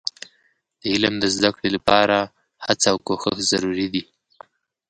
د علم د زده کړې لپاره هڅه او کوښښ ضروري دي.